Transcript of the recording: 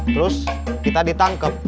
terus kita ditangkep